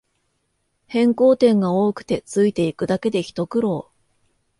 変更点が多くてついていくだけでひと苦労